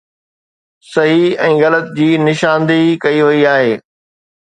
صحيح ۽ غلط جي نشاندهي ڪئي وئي آهي